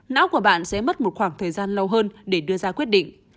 não của bạn sẽ mất một khoảng thời gian lâu hơn để đưa ra quyết định